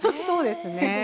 そうですね。